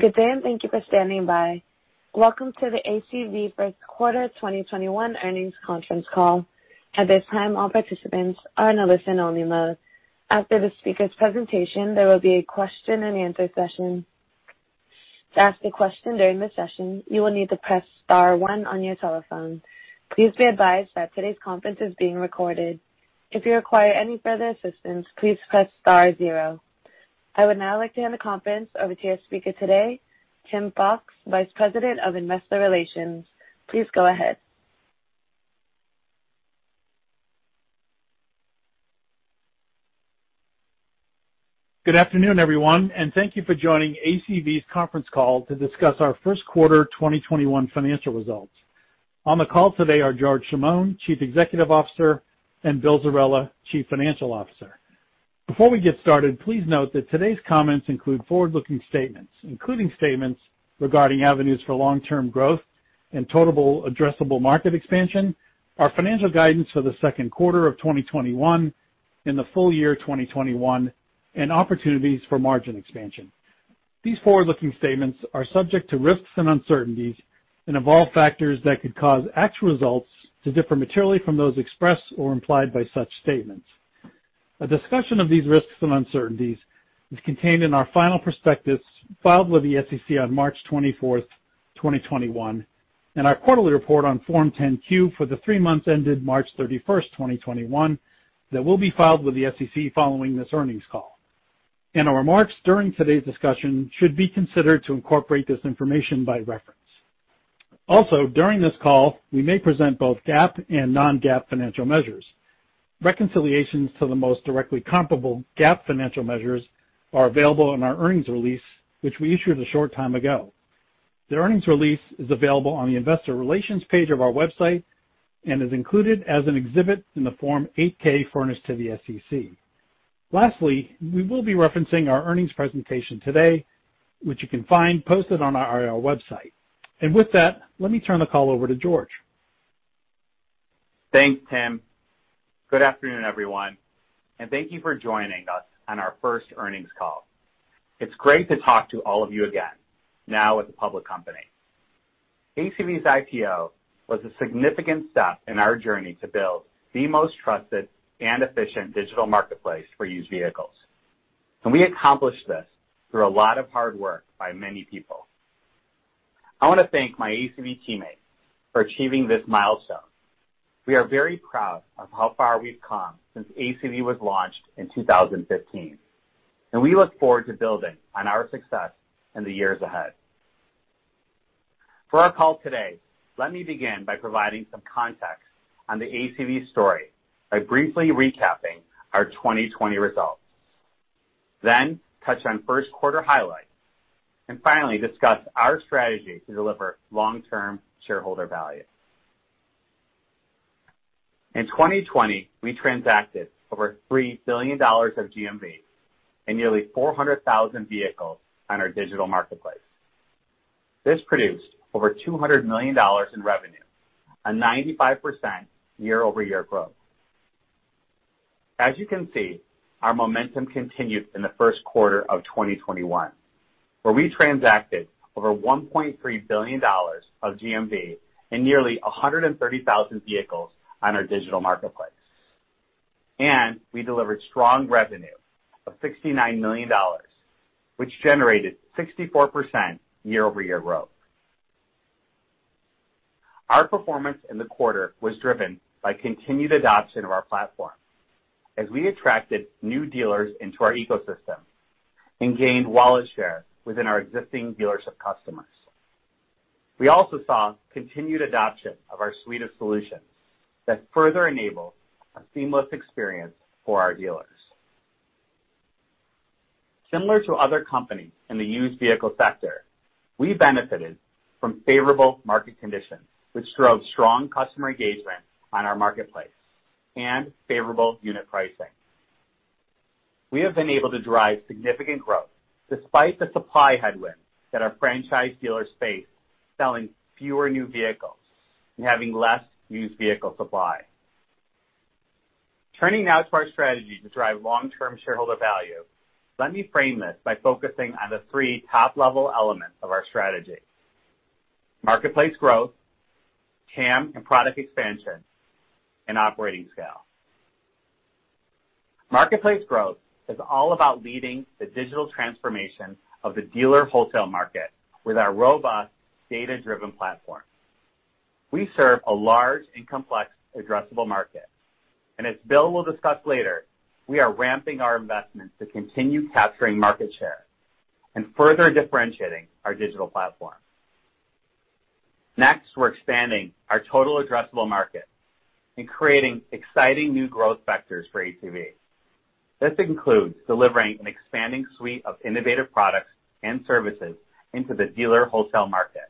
Good day, and thank you for standing by. Welcome to the ACV first quarter 2021 earnings conference call. At this time, all participants are in a listen only mode. After the speaker's presentation, there will be a question and answer session. To ask a question during the session, you will need to press star one on your telephone. Please be advised that today's conference is being recorded. If you require any further assistance, please press star zero. I would now like to hand the conference over to your speaker today, Tim Fox, Vice President of Investor Relations. Please go ahead. Good afternoon, everyone, and thank you for joining ACV's conference call to discuss our first quarter 2021 financial results. On the call today are George Chamoun, Chief Executive Officer, and Bill Zerella, Chief Financial Officer. Before we get started, please note that today's comments include forward-looking statements, including statements regarding avenues for long-term growth and total addressable market expansion, our financial guidance for the second quarter of 2021 and the full year 2021, and opportunities for margin expansion. These forward-looking statements are subject to risks and uncertainties and involve factors that could cause actual results to differ materially from those expressed or implied by such statements. A discussion of these risks and uncertainties is contained in our final prospectus filed with the SEC on March 24th, 2021, and our quarterly report on Form 10-Q for the three months ended March 31st, 2021, that will be filed with the SEC following this earnings call. Any remarks during today's discussion should be considered to incorporate this information by reference. During this call, we may present both GAAP and non-GAAP financial measures. Reconciliations to the most directly comparable GAAP financial measures are available in our earnings release, which we issued a short time ago. The earnings release is available on the investor relations page of our website and is included as an exhibit in the Form 8-K furnished to the SEC. Lastly, we will be referencing our earnings presentation today, which you can find posted on our IR website. With that, let me turn the call over to George. Thanks, Tim. Good afternoon, everyone. Thank you for joining us on our first earnings call. It's great to talk to all of you again, now as a public company. ACV's IPO was a significant step in our journey to build the most trusted and efficient digital marketplace for used vehicles. We accomplished this through a lot of hard work by many people. I want to thank my ACV teammates for achieving this milestone. We are very proud of how far we've come since ACV was launched in 2015, and we look forward to building on our success in the years ahead. For our call today, let me begin by providing some context on the ACV story by briefly recapping our 2020 results, then touch on first quarter highlights, and finally, discuss our strategy to deliver long-term shareholder value. In 2020, we transacted over $3 billion of GMV and nearly 400,000 vehicles on our digital marketplace. This produced over $200 million in revenue, a 95% year-over-year growth. As you can see, our momentum continued in the first quarter of 2021, where we transacted over $1.3 billion of GMV and nearly 130,000 vehicles on our digital marketplace. We delivered strong revenue of $69 million, which generated 64% year-over-year growth. Our performance in the quarter was driven by continued adoption of our platform as we attracted new dealers into our ecosystem and gained wallet share within our existing dealership customers. We also saw continued adoption of our suite of solutions that further enable a seamless experience for our dealers. Similar to other companies in the used vehicle sector, we benefited from favorable market conditions, which drove strong customer engagement on our marketplace and favorable unit pricing. We have been able to drive significant growth despite the supply headwind that our franchise dealers face selling fewer new vehicles and having less used vehicle supply. Turning now to our strategy to drive long-term shareholder value, let me frame this by focusing on the three top-level elements of our strategy. Marketplace growth, TAM and product expansion, and operating scale. Marketplace growth is all about leading the digital transformation of the dealer wholesale market with our robust data-driven platform. We serve a large and complex addressable market. As Bill will discuss later, we are ramping our investments to continue capturing market share and further differentiating our digital platform. Next, we're expanding our total addressable market and creating exciting new growth vectors for ACV. This includes delivering an expanding suite of innovative products and services into the dealer wholesale market,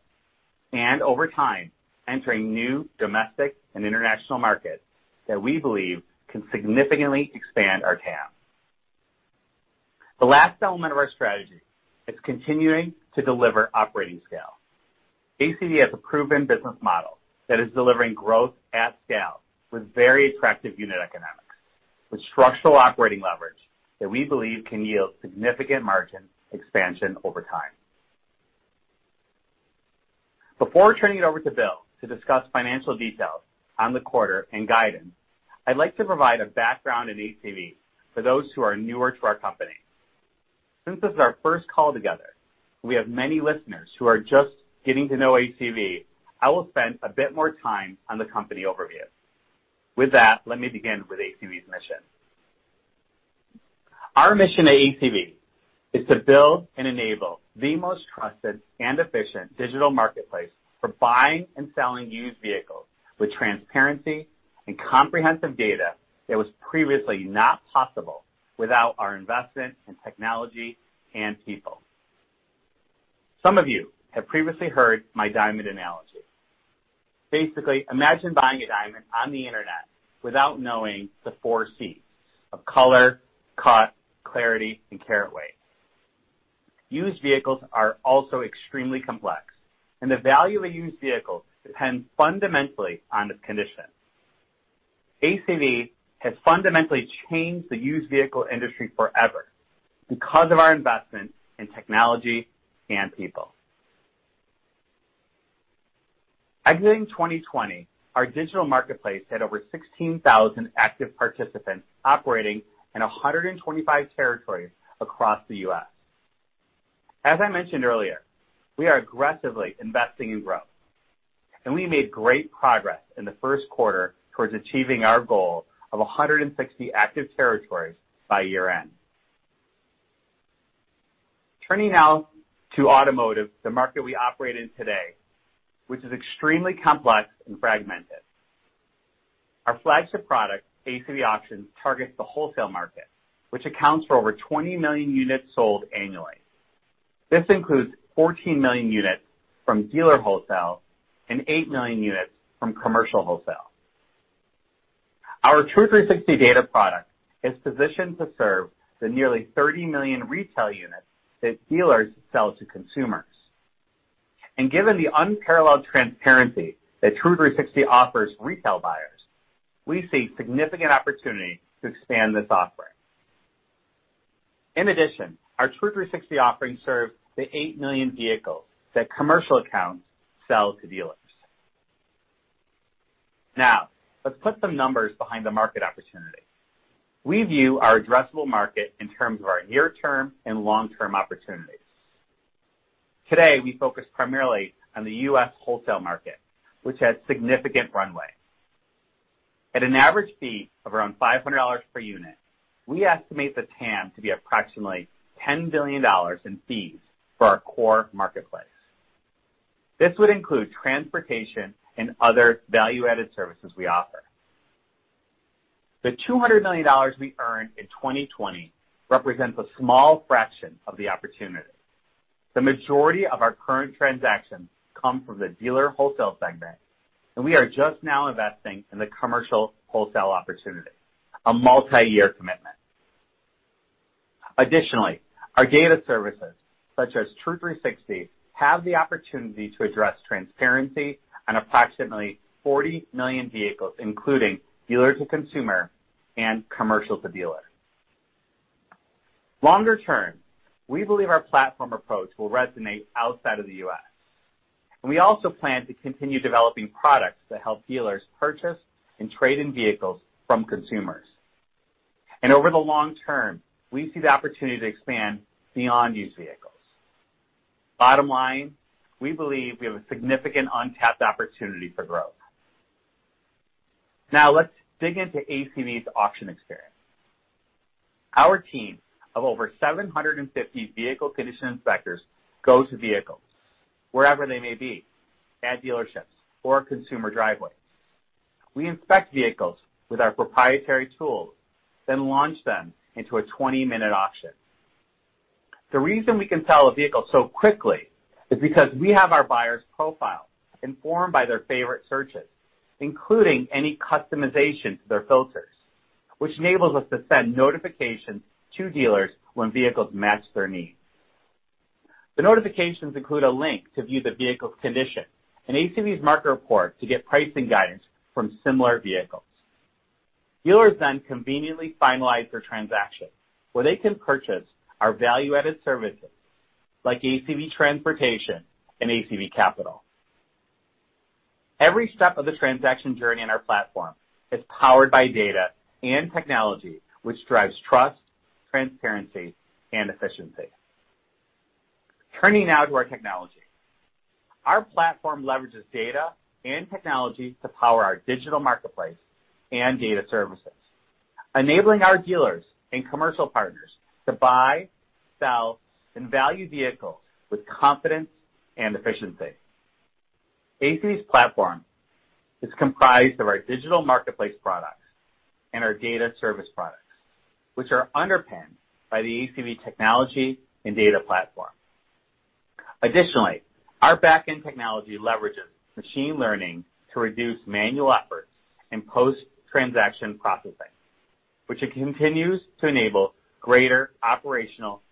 and over time, entering new domestic and international markets that we believe can significantly expand our TAM. The last element of our strategy is continuing to deliver operating scale. ACV has a proven business model that is delivering growth at scale with very attractive unit economics, with structural operating leverage that we believe can yield significant margin expansion over time. Before turning it over to Bill to discuss financial details on the quarter and guidance, I'd like to provide a background in ACV for those who are newer to our company. Since this is our first call together, we have many listeners who are just getting to know ACV, I will spend a bit more time on the company overview. With that, let me begin with ACV's mission. Our mission at ACV is to build and enable the most trusted and efficient digital marketplace for buying and selling used vehicles with transparency and comprehensive data that was previously not possible without our investment in technology and people. Some of you have previously heard my diamond analogy. Imagine buying a diamond on the internet without knowing the four Cs of color, cut, clarity, and carat weight. Used vehicles are also extremely complex, and the value of a used vehicle depends fundamentally on its condition. ACV has fundamentally changed the used vehicle industry forever because of our investment in technology and people. Exiting 2020, our digital marketplace had over 16,000 active participants operating in 125 territories across the U.S. As I mentioned earlier, we are aggressively investing in growth. We made great progress in the first quarter towards achieving our goal of 160 active territories by year-end. Turning now to automotive, the market we operate in today, which is extremely complex and fragmented. Our flagship product, ACV Auctions, targets the wholesale market, which accounts for over 20 million units sold annually. This includes 14 million units from dealer wholesale and eight million units from commercial wholesale. Our True360 data product is positioned to serve the nearly 30 million retail units that dealers sell to consumers. Given the unparalleled transparency that True360 offers retail buyers, we see significant opportunity to expand this offering. In addition, our True360 offering serves the eight million vehicles that commercial accounts sell to dealers. Now, let's put some numbers behind the market opportunity. We view our addressable market in terms of our near-term and long-term opportunities. Today, we focus primarily on the U.S. wholesale market, which has significant runway. At an average fee of around $500 per unit, we estimate the TAM to be approximately $10 billion in fees for our core marketplace. This would include transportation and other value-added services we offer. The $200 million we earned in 2020 represents a small fraction of the opportunity. The majority of our current transactions come from the dealer wholesale segment, and we are just now investing in the commercial wholesale opportunity, a multiyear commitment. Additionally, our data services, such as True360, have the opportunity to address transparency on approximately 40 million vehicles, including dealer to consumer and commercial to dealer. Longer term, we believe our platform approach will resonate outside of the U.S. We also plan to continue developing products that help dealers purchase and trade in vehicles from consumers. Over the long term, we see the opportunity to expand beyond used vehicles. Bottom line, we believe we have a significant untapped opportunity for growth. Let's dig into ACV's auction experience. Our team of over 750 vehicle condition inspectors go to vehicles wherever they may be, at dealerships or consumer driveways. We inspect vehicles with our proprietary tools, then launch them into a 20-minute auction. The reason we can sell a vehicle so quickly is because we have our buyer's profile informed by their favorite searches, including any customization to their filters, which enables us to send notifications to dealers when vehicles match their needs. The notifications include a link to view the vehicle's condition and ACV Market Report to get pricing guidance from similar vehicles. Dealers conveniently finalize their transaction, where they can purchase our value-added services like ACV Transportation and ACV Capital. Every step of the transaction journey in our platform is powered by data and technology, which drives trust, transparency, and efficiency. Turning now to our technology. Our platform leverages data and technology to power our digital marketplace and data services, enabling our dealers and commercial partners to buy, sell, and value vehicles with confidence and efficiency. ACV's platform is comprised of our digital marketplace products and our data service products, which are underpinned by the ACV technology and data platform. Additionally, our back-end technology leverages machine learning to reduce manual efforts in post-transaction processing, which it continues to enable greater operational efficiency.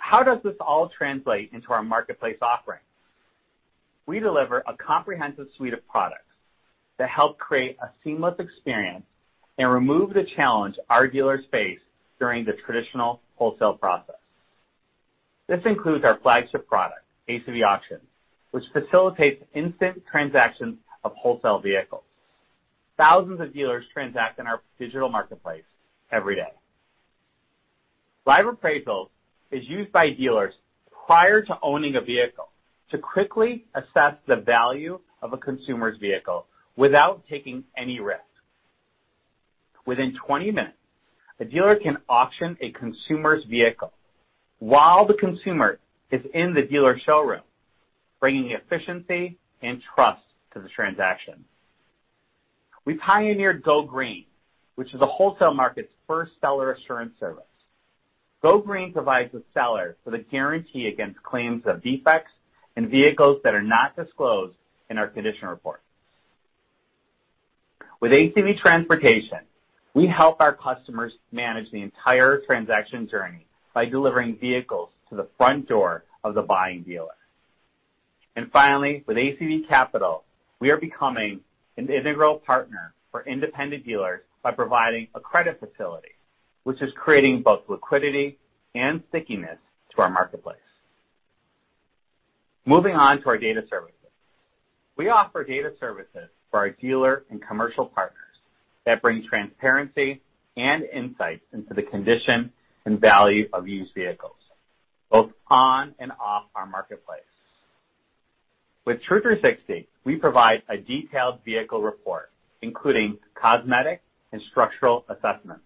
How does this all translate into our marketplace offerings? We deliver a comprehensive suite of products that help create a seamless experience and remove the challenge our dealers face during the traditional wholesale process. This includes our flagship product, ACV Auctions, which facilitates instant transactions of wholesale vehicles. Thousands of dealers transact in our digital marketplace every day. Live Appraisal is used by dealers prior to owning a vehicle to quickly assess the value of a consumer's vehicle without taking any risk. Within 20 minutes, a dealer can auction a consumer's vehicle while the consumer is in the dealer showroom, bringing efficiency and trust to the transaction. We pioneered Go Green, which is the wholesale market's first seller assurance service. Go Green provides the seller with a guarantee against claims of defects and vehicles that are not disclosed in our condition report. With ACV Transportation, we help our customers manage the entire transaction journey by delivering vehicles to the front door of the buying dealer. Finally, with ACV Capital, we are becoming an integral partner for independent dealers by providing a credit facility, which is creating both liquidity and stickiness to our marketplace. Moving on to our data services. We offer data services for our dealer and commercial partners that bring transparency and insights into the condition and value of used vehicles, both on and off our marketplace. With True360, we provide a detailed vehicle report, including cosmetic and structural assessments.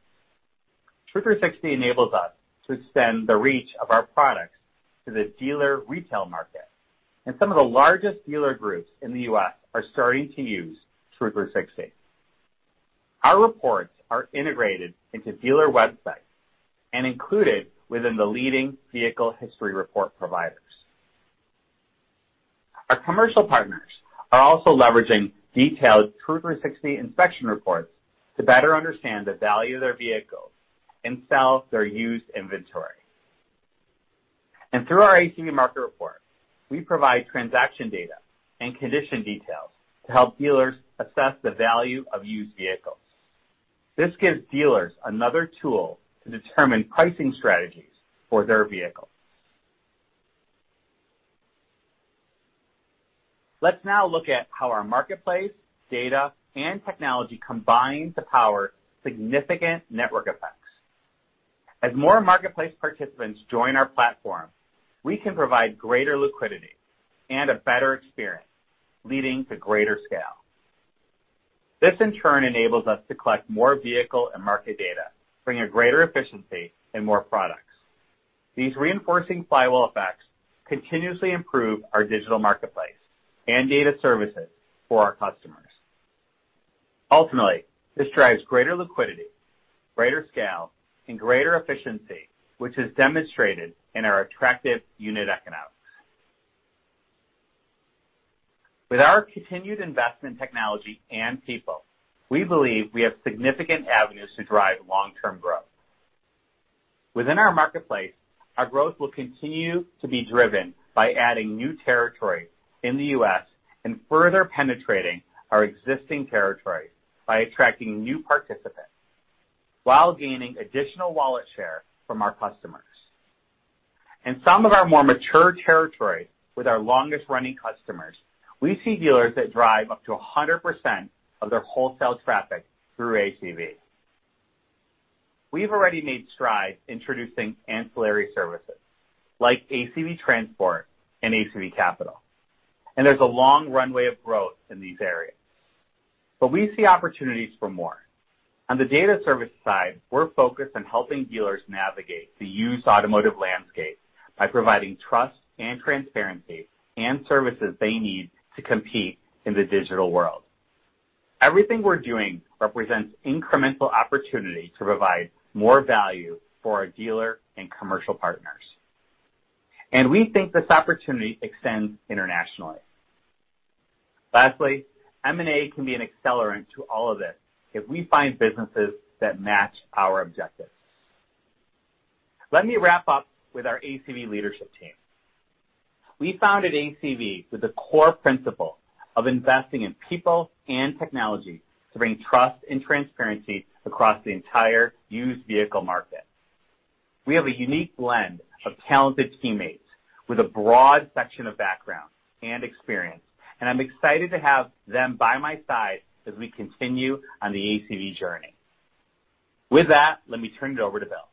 True360 enables us to extend the reach of our products to the dealer retail market, some of the largest dealer groups in the U.S. are starting to use True360. Our reports are integrated into dealer websites and included within the leading vehicle history report providers. Our commercial partners are also leveraging detailed True360 inspection reports to better understand the value of their vehicles and sell their used inventory. Through our ACV Market Report, we provide transaction data and condition details to help dealers assess the value of used vehicles. This gives dealers another tool to determine pricing strategies for their vehicles. Let's now look at how our marketplace, data, and technology combine to power significant network effects. As more marketplace participants join our platform, we can provide greater liquidity and a better experience, leading to greater scale. This, in turn, enables us to collect more vehicle and market data, bringing greater efficiency and more products. These reinforcing flywheel effects continuously improve our digital marketplace and data services for our customers. Ultimately, this drives greater liquidity, greater scale, and greater efficiency, which is demonstrated in our attractive unit economics. With our continued investment in technology and people, we believe we have significant avenues to drive long-term growth. Within our marketplace, our growth will continue to be driven by adding new territory in the U.S. and further penetrating our existing territories by attracting new participants while gaining additional wallet share from our customers. In some of our more mature territories with our longest-running customers, we see dealers that drive up to 100% of their wholesale traffic through ACV. We've already made strides introducing ancillary services like ACV Transport and ACV Capital, and there's a long runway of growth in these areas. We see opportunities for more. On the data service side, we're focused on helping dealers navigate the used automotive landscape by providing trust and transparency and services they need to compete in the digital world. Everything we're doing represents incremental opportunity to provide more value for our dealer and commercial partners, and we think this opportunity extends internationally. Lastly, M&A can be an accelerant to all of this if we find businesses that match our objectives. Let me wrap up with our ACV leadership team. We founded ACV with the core principle of investing in people and technology to bring trust and transparency across the entire used vehicle market. We have a unique blend of talented teammates with a broad section of backgrounds and experience, and I'm excited to have them by my side as we continue on the ACV journey. With that, let me turn it over to Bill.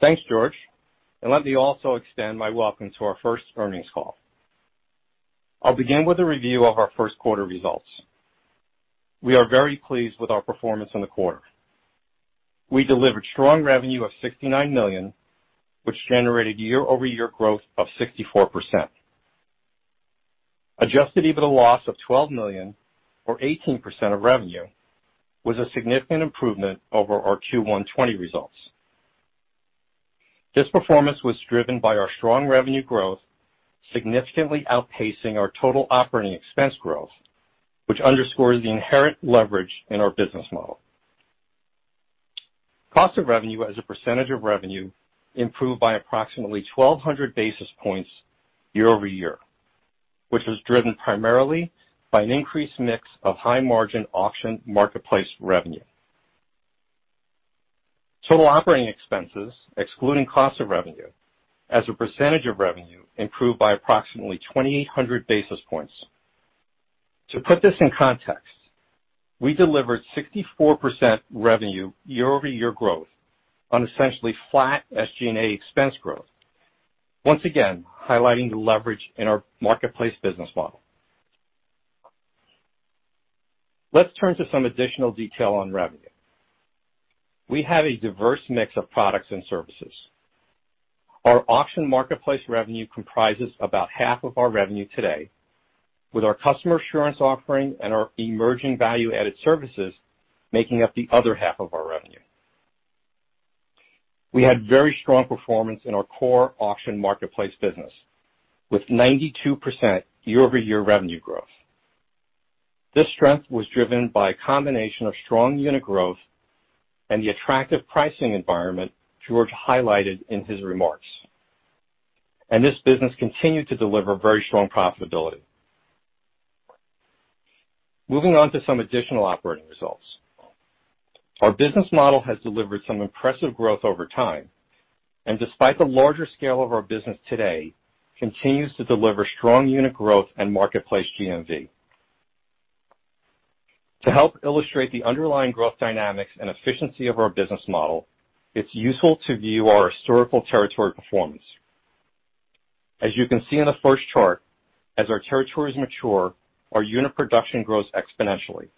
Thanks, George, and let me also extend my welcome to our first earnings call. I'll begin with a review of our first quarter results. We are very pleased with our performance in the quarter. We delivered strong revenue of $69 million, which generated year-over-year growth of 64%. Adjusted EBITDA loss of $12 million or 18% of revenue was a significant improvement over our Q1 2020 results. This performance was driven by our strong revenue growth, significantly outpacing our total operating expense growth, which underscores the inherent leverage in our business model. Cost of revenue as a percentage of revenue improved by approximately 1,200 basis points year-over-year, which was driven primarily by an increased mix of high-margin auction marketplace revenue. Total operating expenses, excluding cost of revenue, as a percentage of revenue, improved by approximately 2,800 basis points. To put this in context, we delivered 64% revenue year-over-year growth on essentially flat SG&A expense growth, once again highlighting the leverage in our marketplace business model. Let's turn to some additional detail on revenue. We have a diverse mix of products and services. Our auction marketplace revenue comprises about half of our revenue today, with our customer assurance offering and our emerging value-added services making up the other half of our revenue. We had very strong performance in our core auction marketplace business, with 92% year-over-year revenue growth. This strength was driven by a combination of strong unit growth and the attractive pricing environment George highlighted in his remarks. This business continued to deliver very strong profitability. Moving on to some additional operating results. Our business model has delivered some impressive growth over time, and despite the larger scale of our business today, continues to deliver strong unit growth and marketplace GMV. To help illustrate the underlying growth dynamics and efficiency of our business model, it's useful to view our historical territory performance. As you can see in the first chart, as our territories mature, our unit production grows exponentially.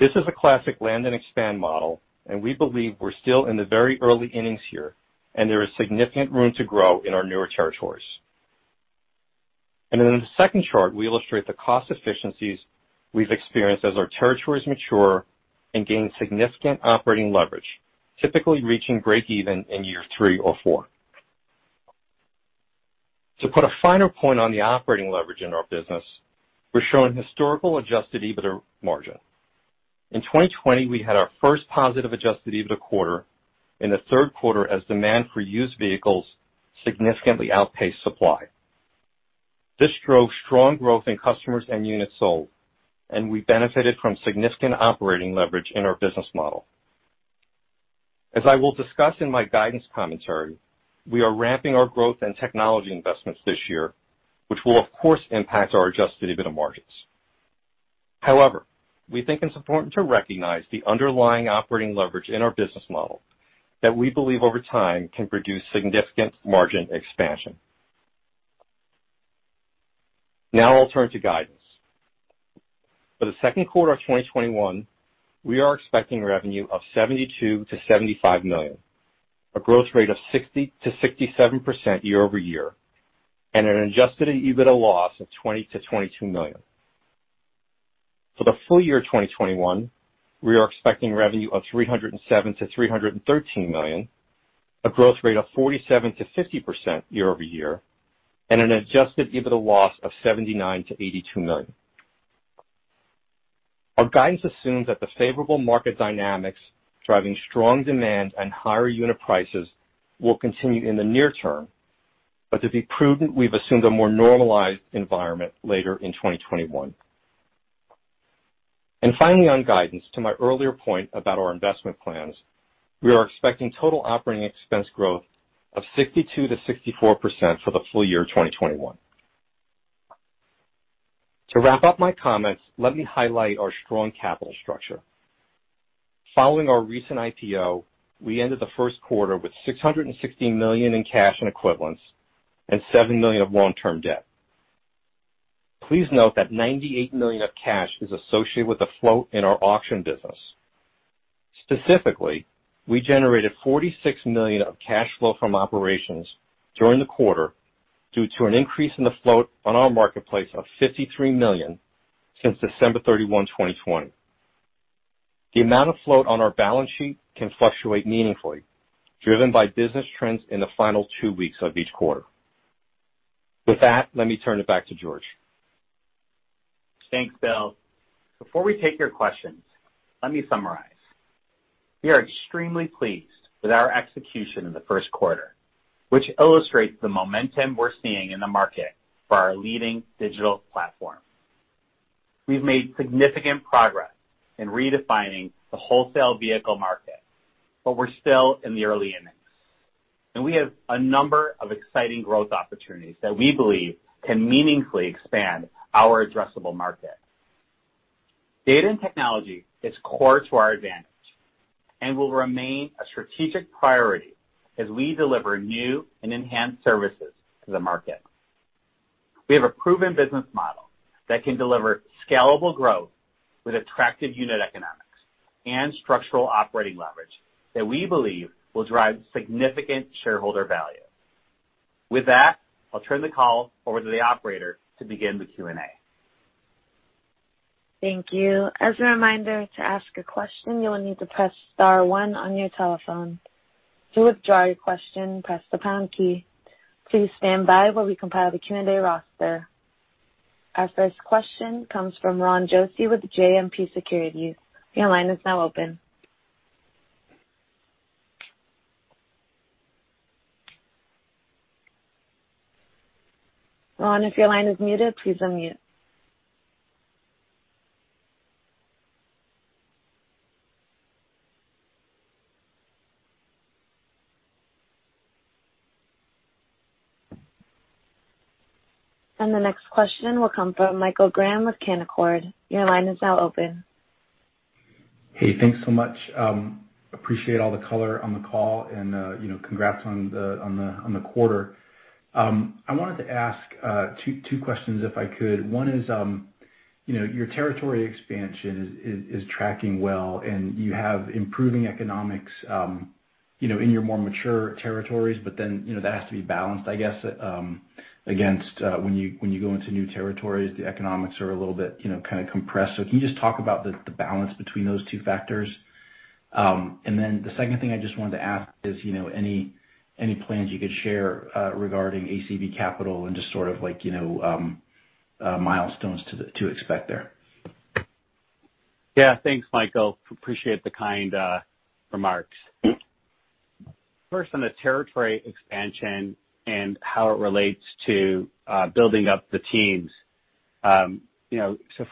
This is a classic land and expand model, and we believe we're still in the very early innings here, and there is significant room to grow in our newer territories. In the second chart, we illustrate the cost efficiencies we've experienced as our territories mature and gain significant operating leverage, typically reaching breakeven in year three or four. To put a finer point on the operating leverage in our business, we're showing historical Adjusted EBITDA margin. In 2020, we had our first positive Adjusted EBITDA quarter in the third quarter as demand for used vehicles significantly outpaced supply. This drove strong growth in customers and units sold, and we benefited from significant operating leverage in our business model. As I will discuss in my guidance commentary, we are ramping our growth and technology investments this year, which will, of course, impact our Adjusted EBITDA margins. However, we think it's important to recognize the underlying operating leverage in our business model that we believe over time can produce significant margin expansion. Now I'll turn to guidance. For the second quarter of 2021, we are expecting revenue of $72 million-$75 million, a growth rate of 60%-67% year-over-year, and an Adjusted EBITDA loss of $20 million-$22 million. For the full year 2021, we are expecting revenue of $307 million-$313 million, a growth rate of 47%-50% year-over-year, and an Adjusted EBITDA loss of $79 million-$82 million. Our guidance assumes that the favorable market dynamics driving strong demand and higher unit prices will continue in the near term, but to be prudent, we've assumed a more normalized environment later in 2021. Finally, on guidance, to my earlier point about our investment plans, we are expecting total operating expense growth of 62%-64% for the full year 2021. To wrap up my comments, let me highlight our strong capital structure. Following our recent IPO, we ended the first quarter with $616 million in cash and equivalents and $7 million of long-term debt. Please note that $98 million of cash is associated with the float in our auction business. Specifically, we generated $46 million of cash flow from operations during the quarter due to an increase in the float on our marketplace of $53 million since December 31, 2020. The amount of float on our balance sheet can fluctuate meaningfully, driven by business trends in the final two weeks of each quarter. With that, let me turn it back to George. Thanks, Bill. Before we take your questions, let me summarize. We are extremely pleased with our execution in the first quarter, which illustrates the momentum we're seeing in the market for our leading digital platform. We've made significant progress in redefining the wholesale vehicle market, but we're still in the early innings, and we have a number of exciting growth opportunities that we believe can meaningfully expand our addressable market. Data and technology is core to our advantage and will remain a strategic priority as we deliver new and enhanced services to the market. We have a proven business model that can deliver scalable growth with attractive unit economics and structural operating leverage that we believe will drive significant shareholder value. With that, I'll turn the call over to the operator to begin the Q&A. Thank you. As a reminder, to ask a question, you will need to press star one on your telephone. To withdraw your question, press the pound key. Please stand by while we compile the Q&A roster. Our first question comes from Ron Josey with JMP Securities. Your line is now open. Ron, if your line is muted, please unmute. The next question will come from Michael Graham with Canaccord. Your line is now open. Hey, thanks so much. Appreciate all the color on the call and congrats on the quarter. I wanted to ask two questions, if I could. One is, your territory expansion is tracking well, and you have improving economics in your more mature territories. That has to be balanced, I guess, against when you go into new territories, the economics are a little bit kind of compressed. Can you just talk about the balance between those two factors? The second thing I just wanted to ask is any plans you could share regarding ACV Capital and just sort of milestones to expect there. Thanks, Michael. Appreciate the kind remarks. First, on the territory expansion and how it relates to building up the teams.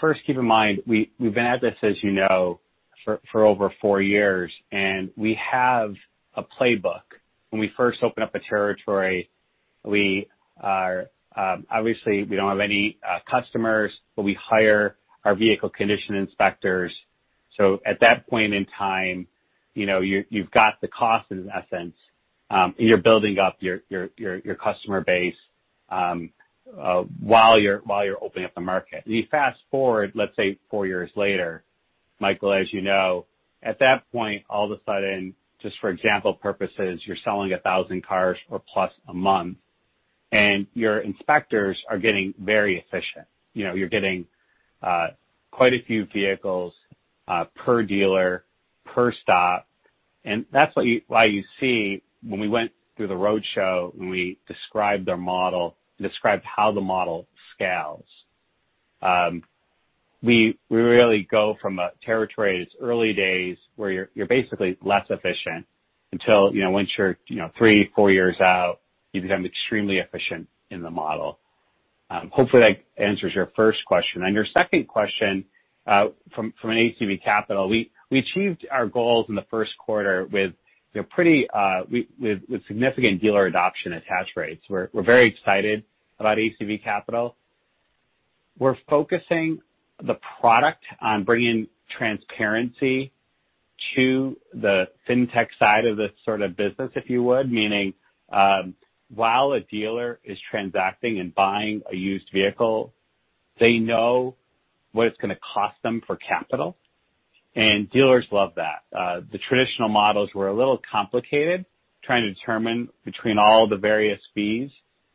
First, keep in mind, we've been at this, as you know, for over four years, and we have a playbook. When we first open up a territory, obviously, we don't have any customers, but we hire our vehicle condition inspectors. At that point in time, you've got the cost, in essence. You're building up your customer base while you're opening up the market. You fast-forward, let's say, four years later, Michael, as you know, at that point, all of a sudden, just for example purposes, you're selling 1,000 cars or plus a month, and your inspectors are getting very efficient. You're getting quite a few vehicles per dealer per stop. That's why you see when we went through the roadshow, when we described their model, described how the model scales. We really go from a territory, its early days, where you're basically less efficient until once you're three, four years out, you become extremely efficient in the model. Hopefully, that answers your first question. On your second question, from an ACV Capital, we achieved our goals in the first quarter with significant dealer adoption attach rates. We're very excited about ACV Capital. We're focusing the product on bringing transparency to the fintech side of this sort of business, if you would. Meaning, while a dealer is transacting and buying a used vehicle, they know what it's going to cost them for capital, and dealers love that. The traditional models were a little complicated, trying to determine between all the various fees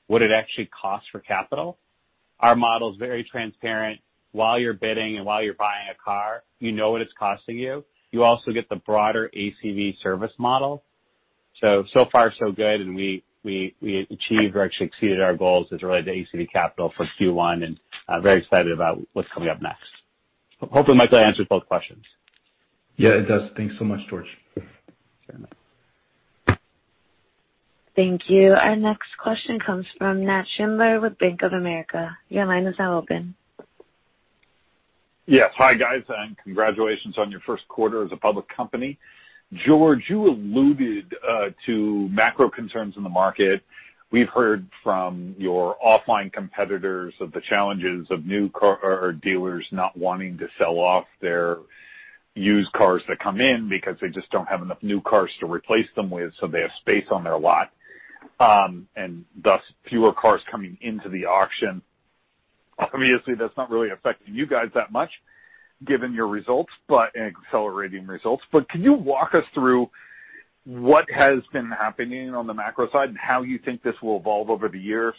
what it actually costs for capital. Our model's very transparent. While you're bidding and while you're buying a car, you know what it's costing you. You also get the broader ACV service model. So far so good, and we achieved or actually exceeded our goals as it related to ACV Capital for Q1, and very excited about what's coming up next. Hopefully, Michael, I answered both questions. Yeah, it does. Thanks so much, George. Sure. Thank you. Our next question comes from Nat Schindler with Bank of America. Your line is now open. Yes. Hi, guys, congratulations on your first quarter as a public company. George, you alluded to macro concerns in the market. We've heard from your offline competitors of the challenges of new dealers not wanting to sell off their used cars that come in because they just don't have enough new cars to replace them with, so they have space on their lot, and thus fewer cars coming into the auction. Obviously, that's not really affecting you guys that much given your results, but accelerating results. Can you walk us through what has been happening on the macro side and how you think this will evolve over the year?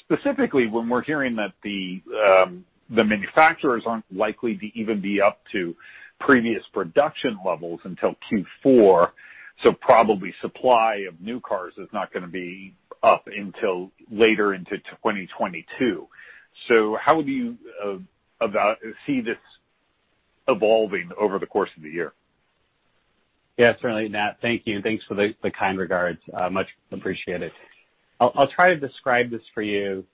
Specifically, when we're hearing that the manufacturers aren't likely to even be up to previous production levels until Q4, so probably supply of new cars is not going to be up until later into 2022. How do you see this evolving over the course of the year? Yeah, certainly, Nat. Thank you, thanks for the kind regards. Much appreciated. I'll try to describe this for you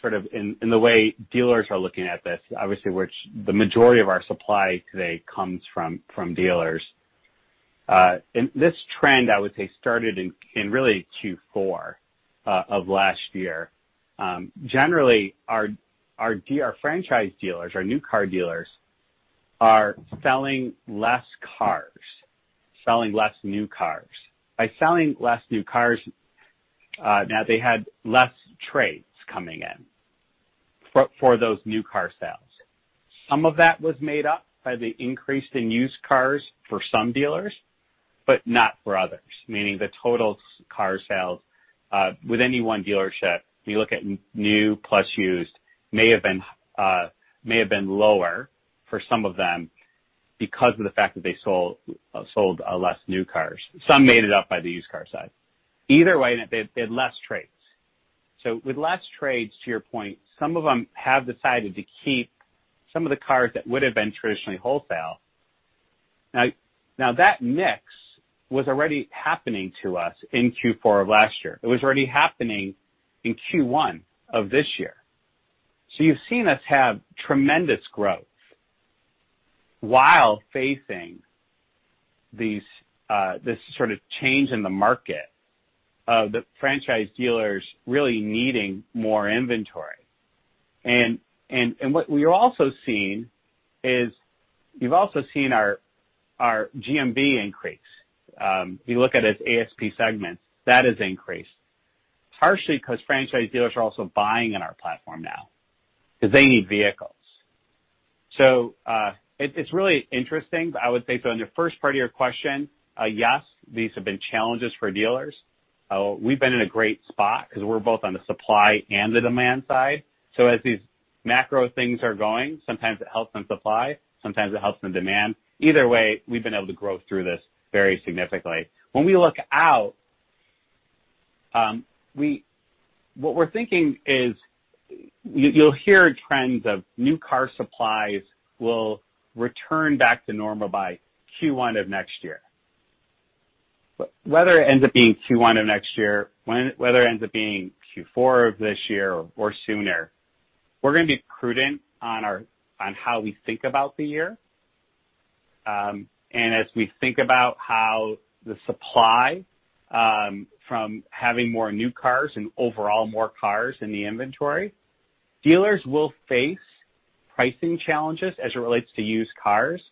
sort of in the way dealers are looking at this, obviously, which the majority of our supply today comes from dealers. This trend, I would say, started in really Q4 of last year. Generally, our franchise dealers, our new car dealers, are selling less cars, selling less new cars. By selling less new cars, now they had less trades coming in for those new car sales. Some of that was made up by the increase in used cars for some dealers. Not for others, meaning the total car sales with any one dealership, we look at new plus used, may have been lower for some of them because of the fact that they sold less new cars. Some made it up by the used car side. Either way, they had less trades. With less trades, to your point, some of them have decided to keep some of the cars that would've been traditionally wholesale. That mix was already happening to us in Q4 of last year. It was already happening in Q1 of this year. You've seen us have tremendous growth while facing this sort of change in the market of the franchise dealers really needing more inventory. What we're also seeing is you've also seen our GMV increase. If you look at it as ASP segments, that has increased partially because franchise dealers are also buying in our platform now because they need vehicles. It's really interesting. I would say, on the first part of your question, yes, these have been challenges for dealers. We've been in a great spot because we're both on the supply and the demand side. As these macro things are going, sometimes it helps in supply, sometimes it helps in demand. Either way, we've been able to grow through this very significantly. When we look out, what we're thinking is you'll hear trends of new car supplies will return back to normal by Q1 of next year. Whether it ends up being Q1 of next year, whether it ends up being Q4 of this year or sooner, we're going to be prudent on how we think about the year. As we think about how the supply, from having more new cars and overall more cars in the inventory, dealers will face pricing challenges as it relates to used cars.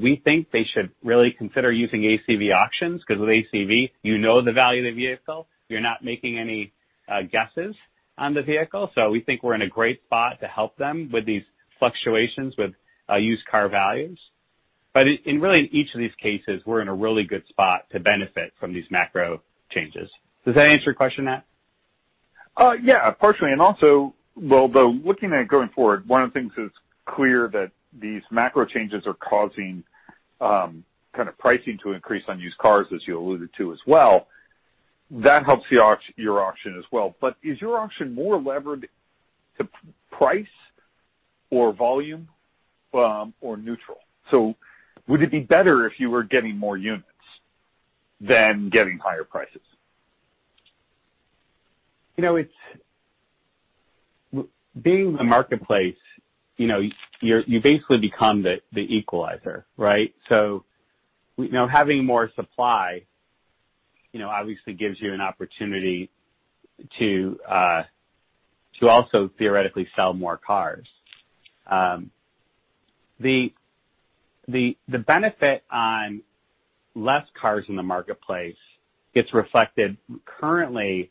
We think they should really consider using ACV Auctions, because with ACV, you know the value of the vehicle. You're not making any guesses on the vehicle. We think we're in a great spot to help them with these fluctuations with used car values. Really, in each of these cases, we're in a really good spot to benefit from these macro changes. Does that answer your question, Nat? Yeah, partially. Looking at going forward, one of the things that's clear that these macro changes are causing kind of pricing to increase on used cars, as you alluded to as well, that helps your auction as well. Is your auction more levered to price or volume, or neutral? Would it be better if you were getting more units than getting higher prices? Being the marketplace, you basically become the equalizer, right? Having more supply obviously gives you an opportunity to also theoretically sell more cars. The benefit on less cars in the marketplace gets reflected currently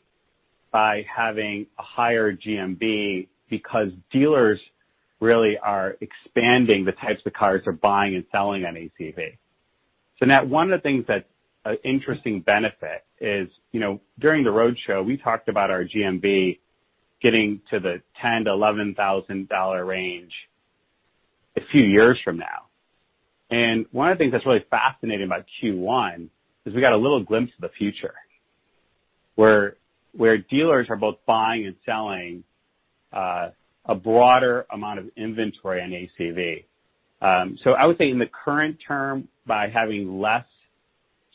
by having a higher GMV because dealers really are expanding the types of cars they're buying and selling on ACV. Nat, one of the things that's an interesting benefit is, during the roadshow, we talked about our GMV getting to the $10,000-$11,000 range a few years from now. One of the things that's really fascinating about Q1 is we got a little glimpse of the future, where dealers are both buying and selling a broader amount of inventory on ACV. I would say in the current term, by having less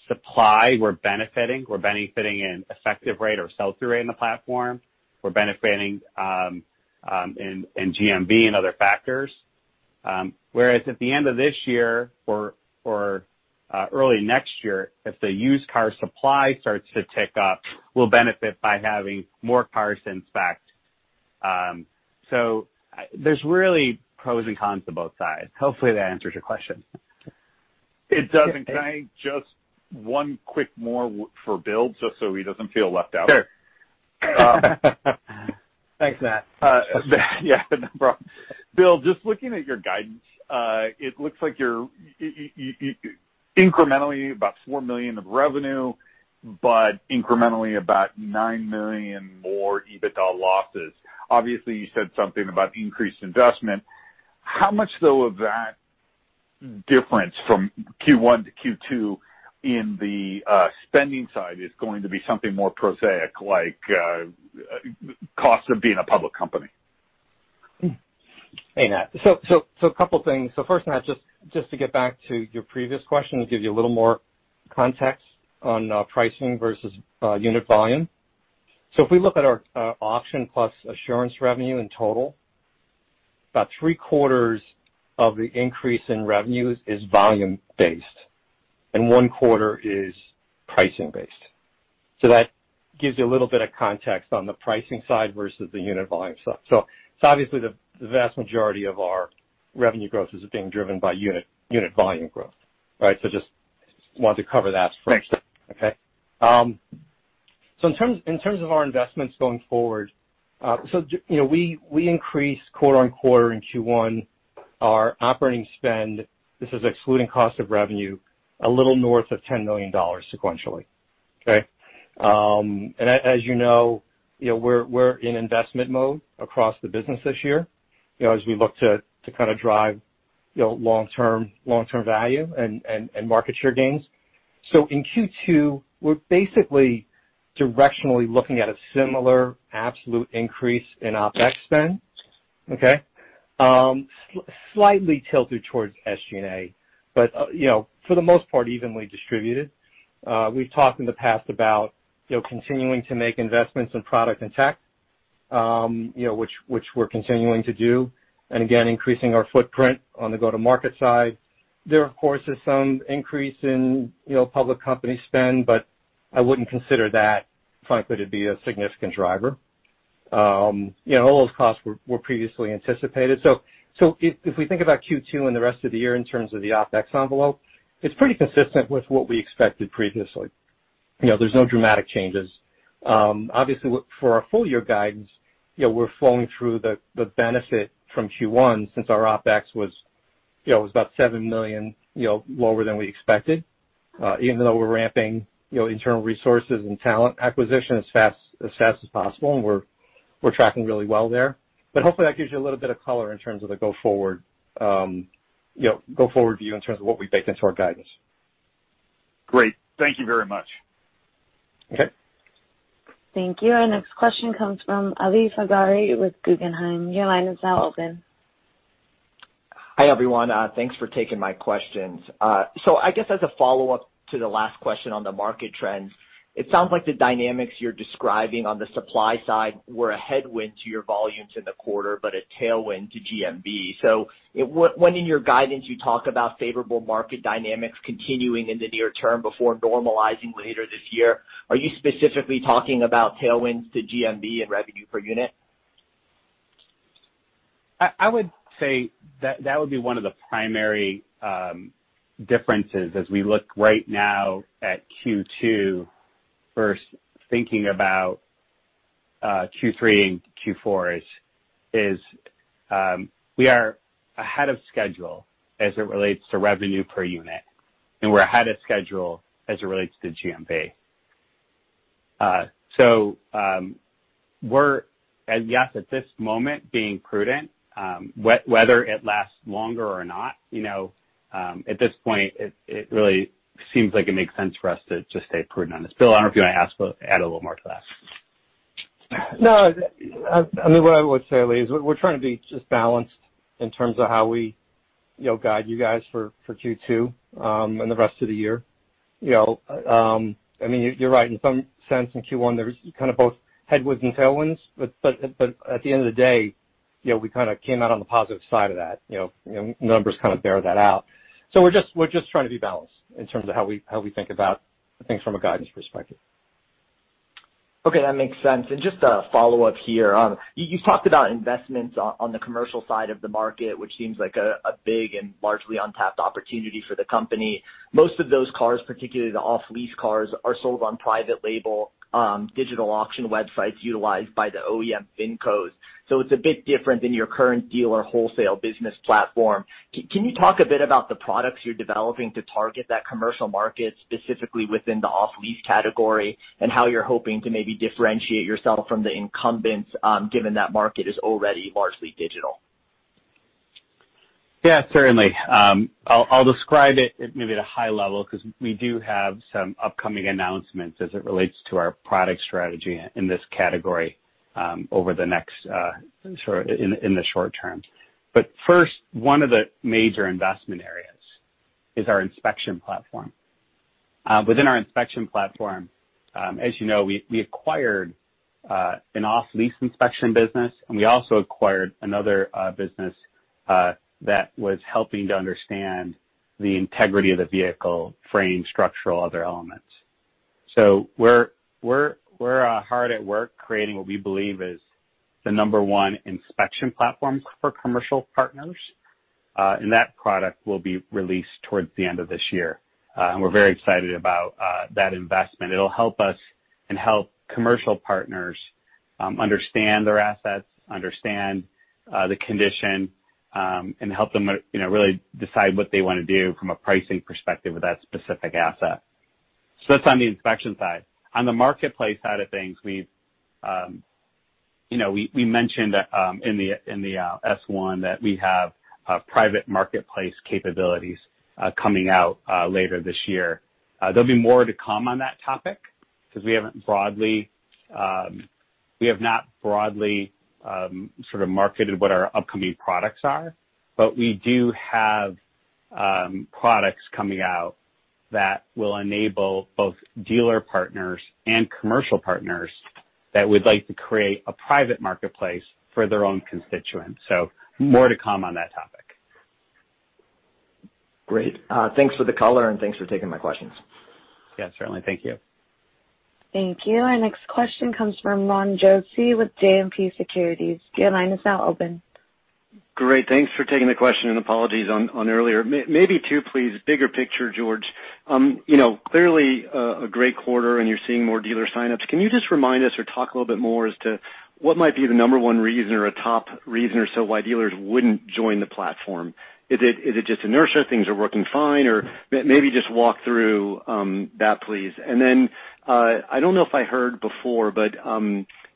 supply, we're benefiting. We're benefiting in effective rate or sell-through rate in the platform. We're benefiting in GMV and other factors. Whereas at the end of this year or early next year, if the used car supply starts to tick up, we'll benefit by having more cars inspect. There's really pros and cons to both sides. Hopefully, that answers your question. It does. Can I just one quick more for Bill, just so he doesn't feel left out? Sure. Thanks, Nat. Yeah. No problem. Bill, just looking at your guidance, it looks like you're incrementally about $4 million of revenue, but incrementally about $9 million more EBITDA losses. Obviously, you said something about increased investment. How much, though, of that difference from Q1 to Q2 in the spending side is going to be something more prosaic, like cost of being a public company? Hey, Nat. A couple of things. First, Nat, just to get back to your previous question to give you a little more context on pricing versus unit volume. If we look at our auction plus assurance revenue in total, about 3/4 of the increase in revenues is volume-based, and 1/4 is pricing-based. That gives you a little bit of context on the pricing side versus the unit volume side. Obviously the vast majority of our revenue growth is being driven by unit volume growth, right? Just want to cover that first. Thanks. Okay. In terms of our investments going forward, we increased quarter on quarter in Q1 our operating spend, this is excluding cost of revenue, a little north of $10 million sequentially. As you know, we're in investment mode across the business this year as we look to kind of drive long-term value and market share gains. In Q2, we're basically directionally looking at a similar absolute increase in OpEx spend. Slightly tilted towards SG&A, but for the most part, evenly distributed. We've talked in the past about continuing to make investments in product and tech, which we're continuing to do, and again, increasing our footprint on the go-to-market side. There, of course, is some increase in public company spend, but I wouldn't consider that frankly to be a significant driver. All those costs were previously anticipated. If we think about Q2 and the rest of the year in terms of the OpEx envelope, it's pretty consistent with what we expected previously. There's no dramatic changes. Obviously, for our full-year guidance, we're flowing through the benefit from Q1 since our OpEx was about $7 million lower than we expected, even though we're ramping internal resources and talent acquisition as fast as possible, and we're tracking really well there. Hopefully, that gives you a little bit of color in terms of the go-forward view in terms of what we baked into our guidance. Great. Thank you very much. Okay. Thank you. Our next question comes from Ali Faghri with Guggenheim. Your line is now open. Hi, everyone. Thanks for taking my questions. I guess as a follow-up to the last question on the market trends, it sounds like the dynamics you're describing on the supply side were a headwind to your volumes in the quarter, but a tailwind to GMV. When in your guidance you talk about favorable market dynamics continuing in the near term before normalizing later this year, are you specifically talking about tailwinds to GMV and revenue per unit? I would say that would be one of the primary differences as we look right now at Q2 versus thinking about Q3 and Q4 is we are ahead of schedule as it relates to revenue per unit, and we're ahead of schedule as it relates to GMV. We're, as yes, at this moment, being prudent. Whether it lasts longer or not at this point it really seems like it makes sense for us to stay prudent on this. Bill, I don't know if you want to add a little more to that. No. I mean, what I would say, Ali, is we're trying to be just balanced in terms of how we guide you guys for Q2 and the rest of the year. I mean, you're right. In some sense, in Q1, there's kind of both headwinds and tailwinds. At the end of the day we kind of came out on the positive side of that. The numbers kind of bear that out. We're just trying to be balanced in terms of how we think about things from a guidance perspective. Okay. That makes sense. Just a follow-up here. You talked about investments on the commercial side of the market, which seems like a big and largely untapped opportunity for the company. Most of those cars, particularly the off-lease cars, are sold on private label digital auction websites utilized by the OEM VIN codes, so it's a bit different than your current dealer wholesale business platform. Can you talk a bit about the products you're developing to target that commercial market, specifically within the off-lease category, and how you're hoping to maybe differentiate yourself from the incumbents given that market is already largely digital? Yeah, certainly. I'll describe it maybe at a high level because we do have some upcoming announcements as it relates to our product strategy in this category in the short term. First, one of the major investment areas is our inspection platform. Within our inspection platform as you know, we acquired an off-lease inspection business, and we also acquired another business that was helping to understand the integrity of the vehicle frame, structural, other elements. We're hard at work creating what we believe is the number one inspection platform for commercial partners. That product will be released towards the end of this year. We're very excited about that investment. It'll help us and help commercial partners understand their assets, understand the condition, and help them really decide what they want to do from a pricing perspective with that specific asset. That's on the inspection side. On the marketplace side of things, we mentioned in the S-1 that we have private marketplace capabilities coming out later this year. There'll be more to come on that topic because we have not broadly sort of marketed what our upcoming products are. We do have products coming out that will enable both dealer partners and commercial partners that would like to create a private marketplace for their own constituents. More to come on that topic. Great. Thanks for the color, and thanks for taking my questions. Yeah, certainly. Thank you. Thank you. Our next question comes from Ron Josey with JMP Securities. Your line is now open. Great. Thanks for taking the question. Apologies on earlier. Maybe two, please. Bigger picture, George. Clearly a great quarter and you're seeing more dealer sign-ups. Can you just remind us or talk a little bit more as to what might be the number one reason or a top reason or so why dealers wouldn't join the platform? Is it just inertia, things are working fine? Maybe just walk through that, please. I don't know if I heard before, but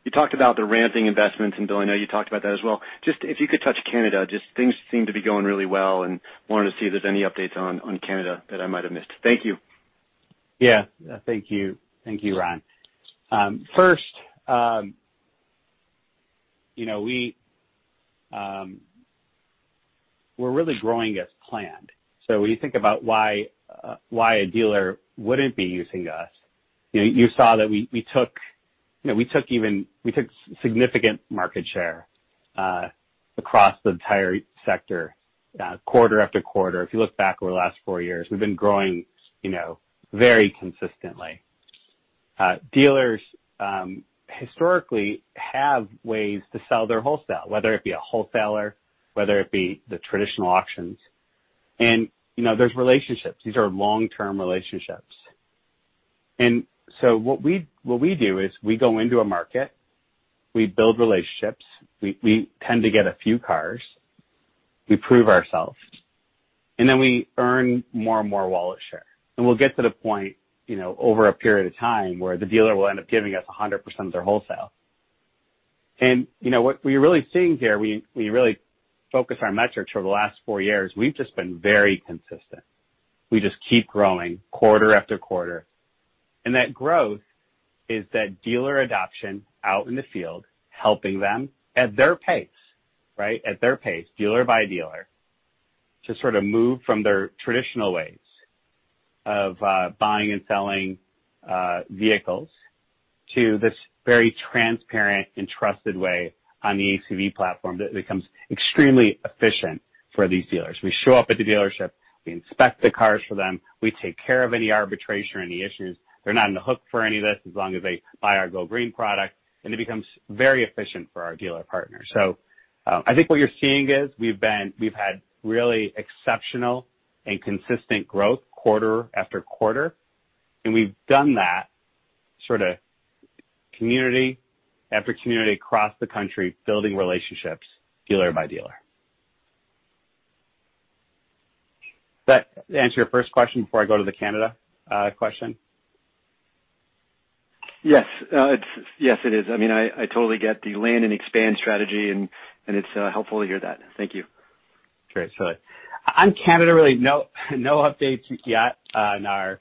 you talked about the ramping investments, and Bill, I know you talked about that as well. Just if you could touch Canada, things seem to be going really well and wanted to see if there's any updates on Canada that I might have missed. Thank you. Yeah. Thank you. Thank you, Ron. First, we're really growing as planned. When you think about why a dealer wouldn't be using us, you saw that we took significant market share across the entire sector quarter after quarter. If you look back over the last four years, we've been growing very consistently. Dealers historically have ways to sell their wholesale, whether it be a wholesaler, whether it be the traditional auctions. There's relationships. These are long-term relationships. What we do is we go into a market, we build relationships, we tend to get a few cars, we prove ourselves, and then we earn more and more wallet share. We'll get to the point over a period of time where the dealer will end up giving us 100% of their wholesale. What we're really seeing here, we really focus our metrics over the last four years. We've just been very consistent. We just keep growing quarter after quarter. That growth is that dealer adoption out in the field, helping them at their pace, dealer by dealer, to sort of move from their traditional ways of buying and selling vehicles to this very transparent and trusted way on the ACV platform that becomes extremely efficient for these dealers. We show up at the dealership, we inspect the cars for them, we take care of any arbitration or any issues. They're not on the hook for any of this as long as they buy our Go Green product, and it becomes very efficient for our dealer partners. I think what you're seeing is we've had really exceptional and consistent growth quarter after quarter, and we've done that sort of community after community across the country, building relationships dealer by dealer. Does that answer your first question before I go to the Canada question? Yes, it is. I totally get the land and expand strategy, and it's helpful to hear that. Thank you. Great. On Canada, really no updates yet on our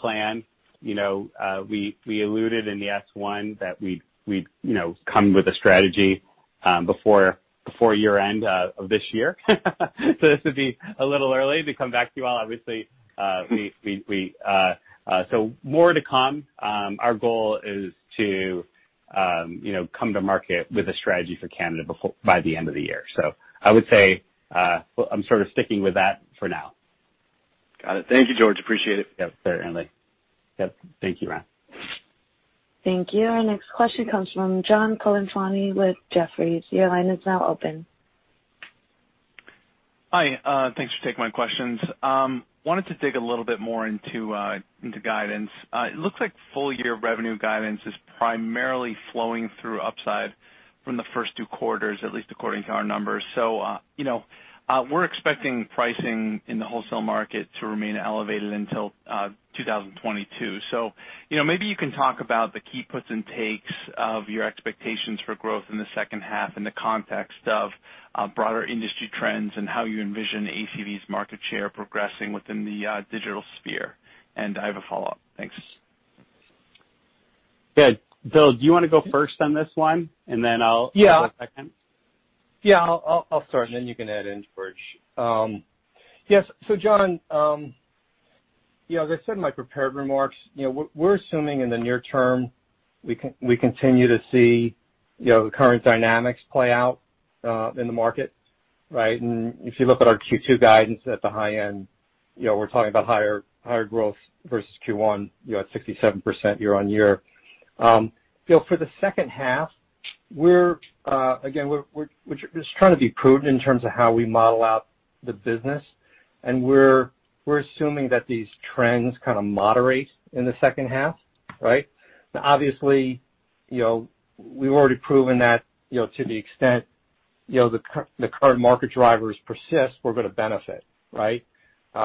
plan. We alluded in the S-1 that we'd come with a strategy before year-end of this year. This would be a little early to come back to you all, obviously. More to come. Our goal is to come to market with a strategy for Canada by the end of the year. I would say, I'm sort of sticking with that for now. Got it. Thank you, George. Appreciate it. Yep, certainly. Yep. Thank you, Ron. Thank you. Our next question comes from John Colantuoni with Jefferies. Your line is now open. Hi. Thanks for taking my questions. I wanted to dig a little bit more into guidance. It looks like full year revenue guidance is primarily flowing through upside from the first two quarters, at least according to our numbers. We're expecting pricing in the wholesale market to remain elevated until 2022. Maybe you can talk about the key puts and takes of your expectations for growth in the second half in the context of broader industry trends and how you envision ACV's market share progressing within the digital sphere. I have a follow-up. Thanks. Bill, do you want to go first on this one, and then I'll go second? Yeah. I'll start, and then you can add in, George. Yes. John, as I said in my prepared remarks, we're assuming in the near term, we continue to see the current dynamics play out in the market, right? If you look at our Q2 guidance at the high end, we're talking about higher growth versus Q1 at 67% year-on-year. For the second half, again, we're just trying to be prudent in terms of how we model out the business, and we're assuming that these trends kind of moderate in the second half, right? Obviously, we've already proven that to the extent the current market drivers persist, we're going to benefit, right?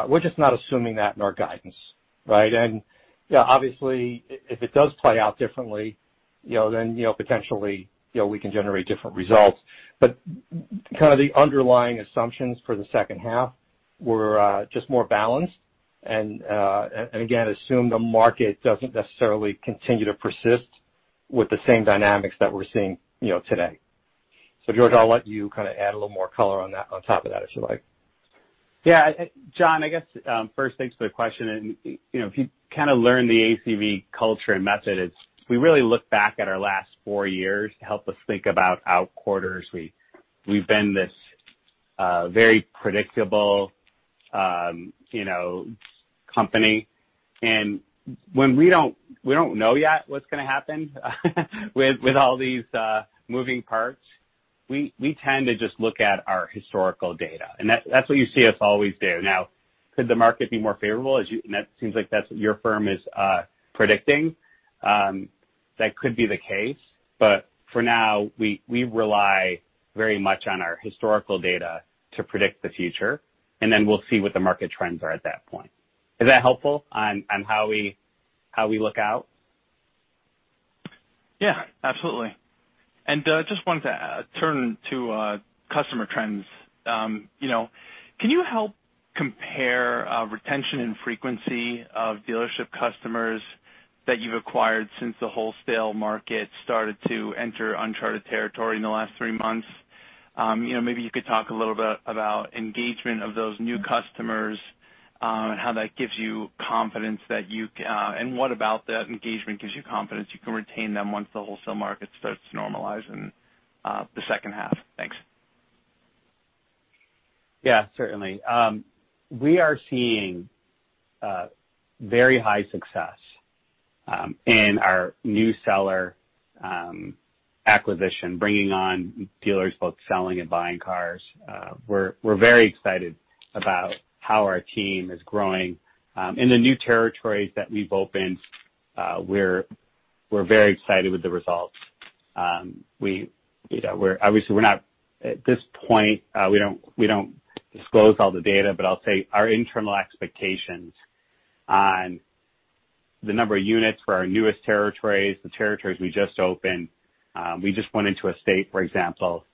We're just not assuming that in our guidance, right? Obviously, if it does play out differently, then potentially we can generate different results. Kind of the underlying assumptions for the second half were just more balanced, and again, assume the market doesn't necessarily continue to persist with the same dynamics that we're seeing today. George, I'll let you kind of add a little more color on top of that, if you like. John, I guess, first, thanks for the question. If you kind of learn the ACV culture and method, we really look back at our last four years to help us think about our quarters. We've been this very predictable company. We don't know yet what's going to happen with all these moving parts. We tend to just look at our historical data, and that's what you see us always do. Now, could the market be more favorable? That seems like that's what your firm is predicting. That could be the case, but for now, we rely very much on our historical data to predict the future, and then we'll see what the market trends are at that point. Is that helpful on how we look out? Yeah, absolutely. Just wanted to turn to customer trends. Can you help compare retention and frequency of dealership customers that you've acquired since the wholesale market started to enter uncharted territory in the last three months? Maybe you could talk a little bit about engagement of those new customers, and what about that engagement gives you confidence you can retain them once the wholesale market starts to normalize in the second half. Thanks. Certainly. We are seeing very high success in our new seller acquisition, bringing on dealers both selling and buying cars. We're very excited about how our team is growing. In the new territories that we've opened, we're very excited with the results. At this point, we don't disclose all the data, but I'll say our internal expectations on the number of units for our newest territories, the territories we just opened. We just went into a state, for example,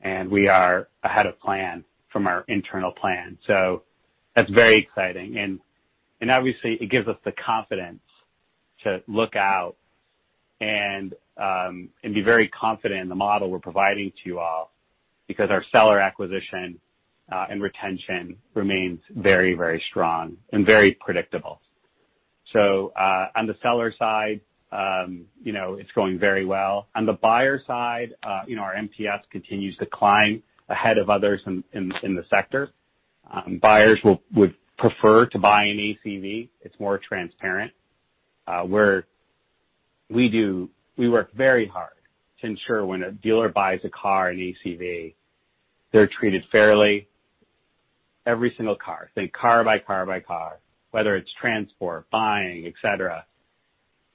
and we are ahead of plan from our internal plan. That's very exciting, and obviously it gives us the confidence to look out and be very confident in the model we're providing to you all because our seller acquisition and retention remains very strong and very predictable. On the seller side it's going very well. On the buyer side our NPS continues to climb ahead of others in the sector. Buyers would prefer to buy on ACV. It's more transparent. We work very hard to ensure when a dealer buys a car, on ACV, they're treated fairly every single car. Think car by car by car, whether it's transport, buying, et cetera.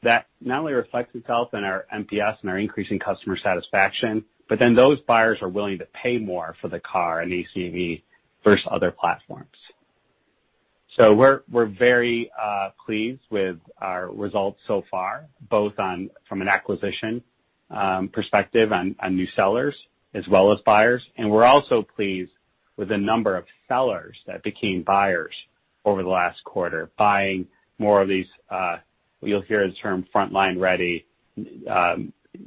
That not only reflects itself in our NPS and our increasing customer satisfaction, those buyers are willing to pay more for the car and ACV versus other platforms. We're very pleased with our results so far, both from an acquisition perspective on new sellers as well as buyers, and we're also pleased with the number of sellers that became buyers over the last quarter, buying more of these, you'll hear the term frontline ready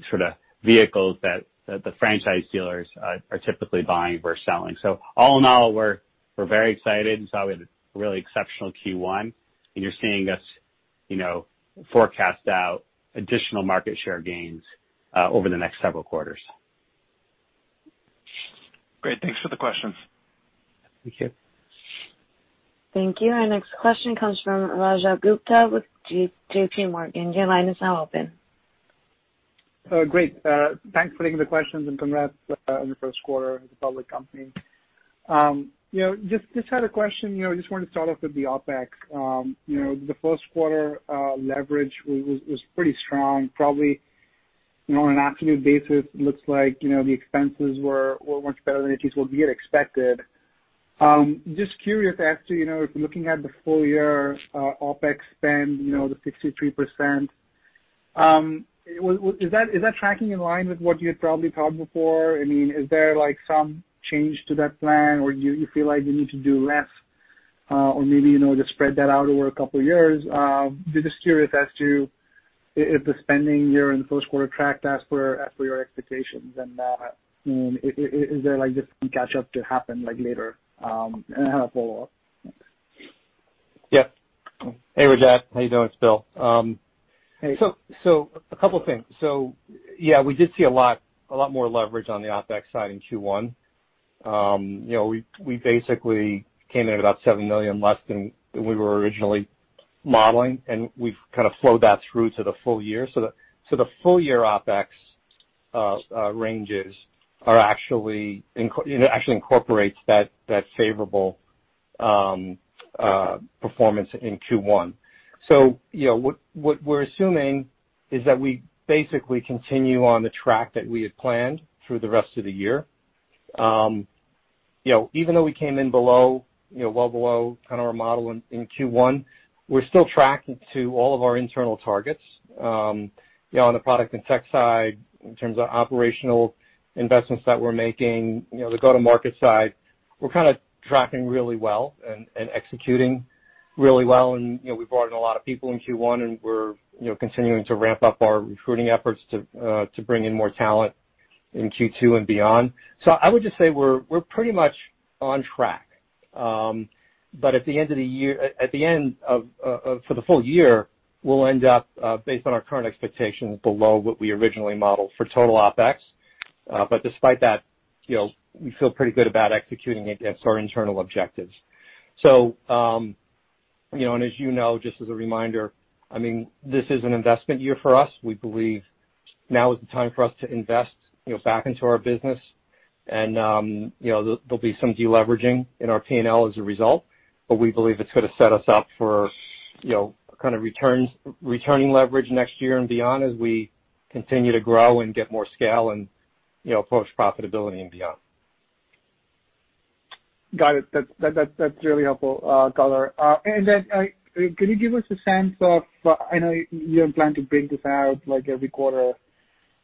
sort of vehicles that the franchise dealers are typically buying versus selling. All in all, we're very excited and saw we had a really exceptional Q1, and you're seeing us forecast out additional market share gains over the next several quarters. Great. Thanks for the questions. Thank you. Thank you. Our next question comes from Rajat Gupta with JPMorgan. Your line is now open. Great. Thanks for taking the questions and congrats on your first quarter as a public company. Just had a question. Just wanted to start off with the OpEx. The first quarter leverage was pretty strong. Probably, on an absolute basis, looks like the expenses were much better than at least what we had expected. Just curious as to, if looking at the full year OpEx spend, the 63%, is that tracking in line with what you had probably thought before? Is there some change to that plan, or do you feel like you need to do less or maybe just spread that out over a couple of years? Just curious as to if the spending year in the first quarter tracked as per your expectations, and is there some catch up to happen later? I have a follow-up. Thanks. Yeah. Hey, Rajat. How you doing? It's Bill. Hey. A couple of things. Yeah, we did see a lot more leverage on the OpEx side in Q1. We basically came in at about $7 million less than we were originally modeling, and we've kind of flowed that through to the full year. The full year OpEx ranges are actually incorporates that favorable performance in Q1. What we're assuming is that we basically continue on the track that we had planned through the rest of the year. Even though we came in well below kind of our model in Q1, we're still tracking to all of our internal targets on the product and tech side in terms of operational investments that we're making. The go-to-market side, we're kind of tracking really well and executing really well and we brought in a lot of people in Q1. We're continuing to ramp up our recruiting efforts to bring in more talent in Q2 and beyond. I would just say we're pretty much on track. At the end of the year, for the full year, we'll end up, based on our current expectations, below what we originally modeled for total OpEx. Despite that, we feel pretty good about executing against our internal objectives. As you know, just as a reminder, this is an investment year for us. We believe now is the time for us to invest back into our business. There'll be some de-leveraging in our P&L as a result, but we believe it's going to set us up for kind of returning leverage next year and beyond as we continue to grow and get more scale and approach profitability and beyond. Got it. That's really helpful color. Can you give us a sense of, I know you don't plan to break this out every quarter,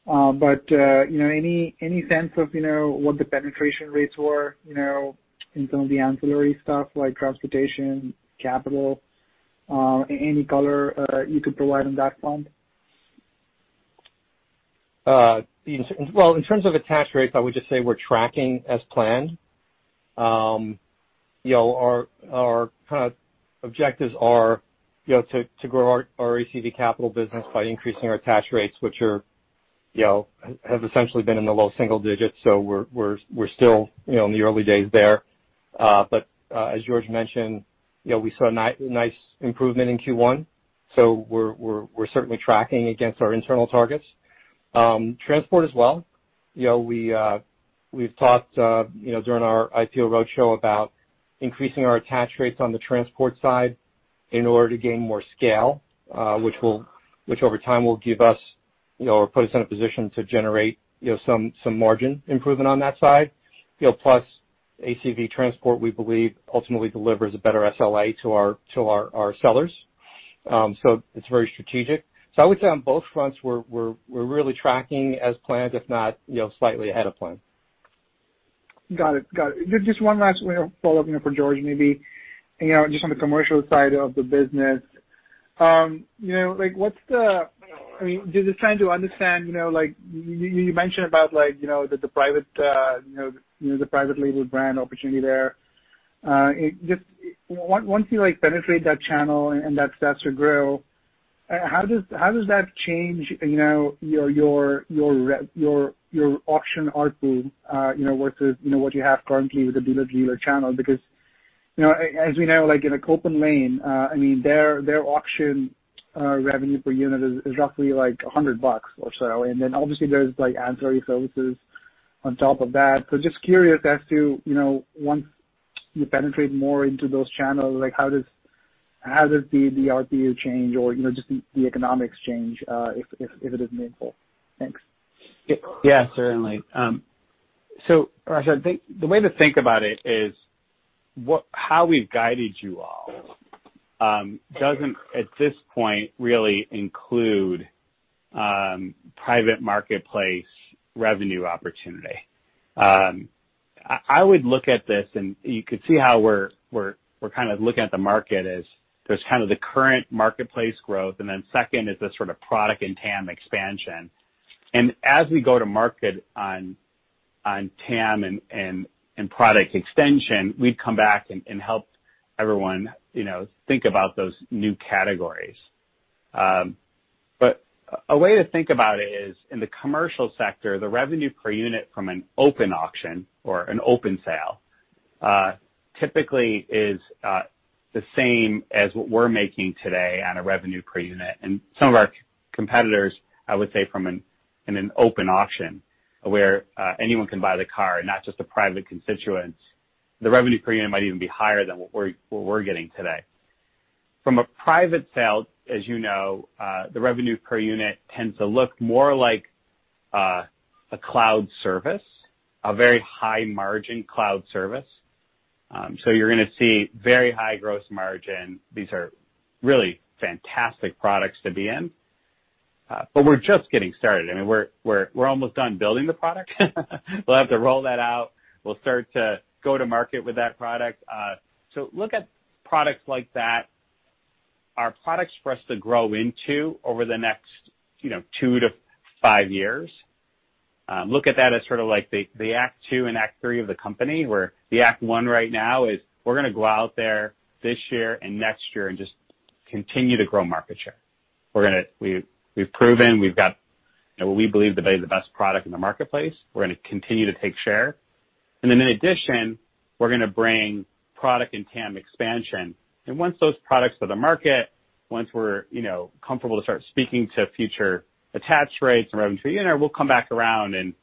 but any sense of what the penetration rates were in some of the ancillary stuff like transportation, capital, any color you could provide on that front? In terms of attach rates, I would just say we're tracking as planned. Our kind of objectives are to grow our ACV Capital business by increasing our attach rates, which have essentially been in the low single digits, we're still in the early days there. As George mentioned, we saw a nice improvement in Q1, we're certainly tracking against our internal targets. Transport as well. We've talked during our IPO roadshow about increasing our attach rates on the transport side in order to gain more scale, which over time will give us or put us in a position to generate some margin improvement on that side. ACV Transport, we believe ultimately delivers a better SLA to our sellers, it's very strategic. I would say on both fronts, we're really tracking as planned, if not slightly ahead of plan. Got it. Just one last follow-up for George, maybe. Just on the commercial side of the business, just trying to understand, you mentioned about the private label brand opportunity there. Once you penetrate that channel and that starts to grow, how does that change your auction ARPU versus what you have currently with the dealer channel? As we know, like in an OPENLANE, their auction revenue per unit is roughly $100 or so, and then obviously there's ancillary services on top of that. Just curious as to once you penetrate more into those channels, how does the RPU change or just the economics change if it is meaningful? Thanks. Yeah, certainly. Rajat, the way to think about it is how we've guided you all doesn't at this point really include private marketplace revenue opportunity. I would look at this and you could see how we're kind of looking at the market as there's kind of the current marketplace growth, and then second is the sort of product and TAM expansion. As we go to market on TAM and product extension, we'd come back and help everyone think about those new categories. A way to think about it is in the commercial sector, the revenue per unit from an open auction or an open sale typically is the same as what we're making today on a revenue per unit. Some of our competitors, I would say from an OPENLANE auction where anyone can buy the car, not just a private constituent, the revenue per unit might even be higher than what we're getting today. From a private sale, as you know, the revenue per unit tends to look more like a cloud service, a very high margin cloud service. You're going to see very high gross margin. These are really fantastic products to be in. We're just getting started. We're almost done building the product. We'll have to roll that out. We'll start to go to market with that product. Look at products like that, are products for us to grow into over the next two to five years. Look at that as sort of like the act two and act three of the company, where the act one right now is we're going to go out there this year and next year and just continue to grow market share. We've proven we've got what we believe to be the best product in the marketplace. We're going to continue to take share. In addition, we're going to bring product and TAM expansion. Once those products go to market, once we're comfortable to start speaking to future attach rates and revenue per unit, we'll come back around and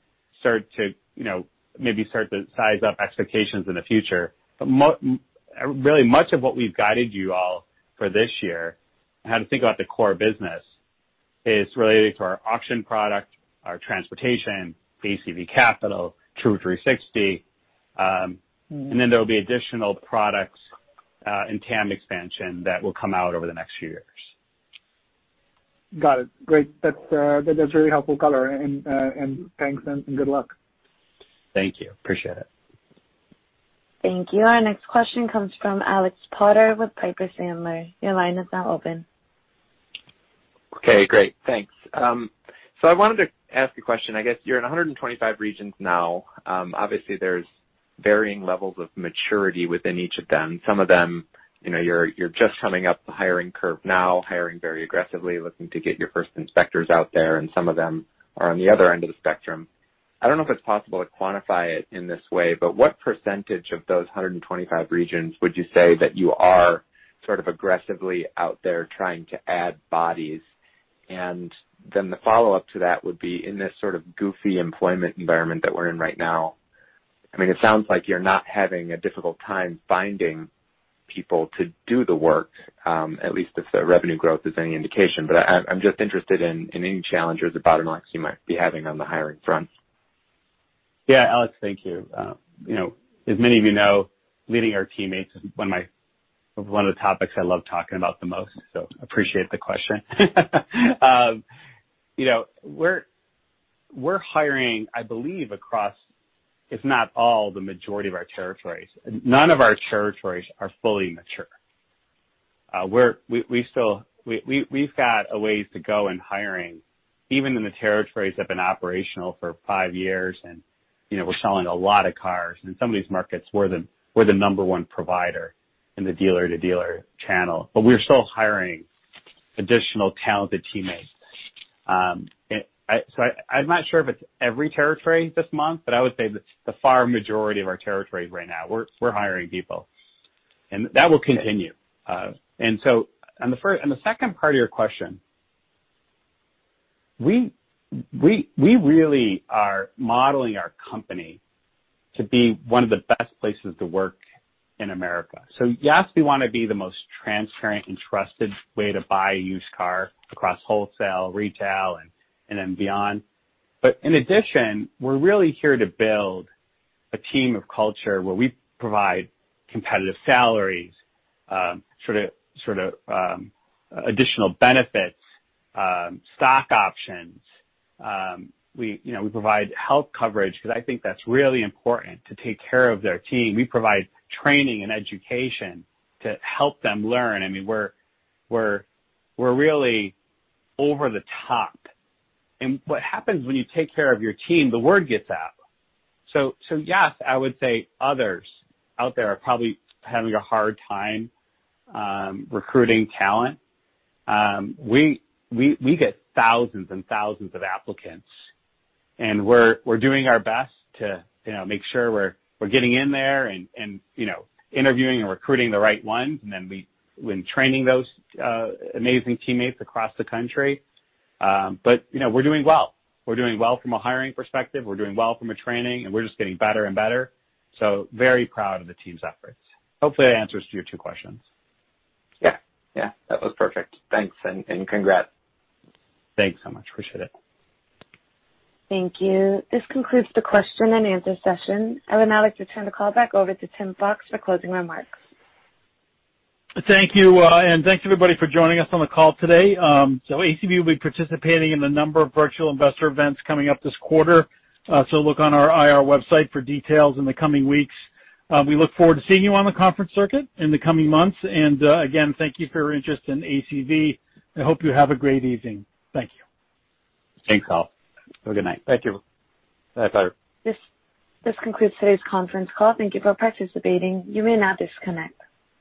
maybe start to size up expectations in the future. Really much of what we've guided you all for this year on how to think about the core business is related to our auction product, our transportation, ACV Capital, True360. Then there'll be additional products and TAM expansion that will come out over the next few years. Got it. Great. That's really helpful color and thanks and good luck. Thank you. Appreciate it. Thank you. Our next question comes from Alex Potter with Piper Sandler. Your line is now open. Okay, great. Thanks. I wanted to ask a question. I guess you're in 125 regions now. Obviously there's varying levels of maturity within each of them. Some of them, you're just coming up the hiring curve now, hiring very aggressively, looking to get your first inspectors out there, and some of them are on the other end of the spectrum. I don't know if it's possible to quantify it in this way, what percentage of those 125 regions would you say that you are sort of aggressively out there trying to add bodies? The follow-up to that would be, in this sort of goofy employment environment that we're in right now, it sounds like you're not having a difficult time finding people to do the work, at least if the revenue growth is any indication. I'm just interested in any challenges or bottlenecks you might be having on the hiring front. Yeah. Alex, thank you. As many of you know, leading our teammates is one of the topics I love talking about the most. Appreciate the question. We're hiring, I believe, across, if not all, the majority of our territories. None of our territories are fully mature. We've got a ways to go in hiring, even in the territories that have been operational for five years, and we're selling a lot of cars. In some of these markets, we're the number one provider in the dealer-to-dealer channel, but we're still hiring additional talented teammates. I'm not sure if it's every territory this month, but I would say the far majority of our territories right now, we're hiring people, and that will continue. On the second part of your question, we really are modeling our company to be one of the best places to work in America. Yes, we want to be the most transparent and trusted way to buy a used car across wholesale, retail, and then beyond. In addition, we're really here to build a team of culture where we provide competitive salaries, sort of additional benefits, stock options. We provide health coverage, because I think that's really important to take care of their team. We provide training and education to help them learn. We're really over the top. What happens when you take care of your team, the word gets out. Yes, I would say others out there are probably having a hard time recruiting talent. We get thousands and thousands of applicants, and we're doing our best to make sure we're getting in there and interviewing and recruiting the right ones, and then training those amazing teammates across the country. We're doing well. We're doing well from a hiring perspective. We're doing well from a training, and we're just getting better and better. Very proud of the team's efforts. Hopefully, that answers to your two questions. Yeah. That was perfect. Thanks, and congrats. Thanks so much. Appreciate it. Thank you. This concludes the question and answer session. I would now like to turn the call back over to Tim Fox for closing remarks. Thank you. Thanks, everybody, for joining us on the call today. ACV will be participating in a number of virtual investor events coming up this quarter. Look on our IR website for details in the coming weeks. We look forward to seeing you on the conference circuit in the coming months. Again, thank you for your interest in ACV. I hope you have a great evening. Thank you. Thanks, all. Have a good night. Thank you. This concludes today's conference call. Thank you for participating. You may now disconnect.